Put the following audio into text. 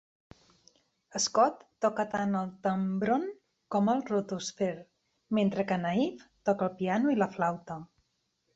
Scott toca tant el "tambron" com el "rotosphere", mentre que Naiff toca el piano i la flauta.